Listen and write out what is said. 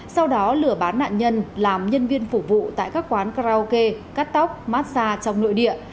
sau đó lửa bán nạn nhân làm nhân viên phục vụ tại các quán karaoke cắt tóc massage trong nội địa